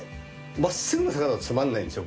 まっすぐな坂だとつまんないんですよ